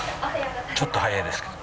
ちょっと早いですけど。